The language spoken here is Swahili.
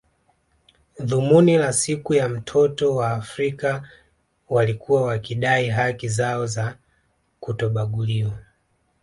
Dhumuni la siku ya mtoto wa Afrika walikuwa wakidai haki zao za kutobaguliwa